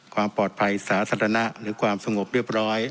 ความปลอดภัยสาธารณะหรือความสงบเรียบร้อย